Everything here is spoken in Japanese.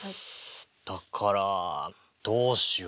だからどうしようかな。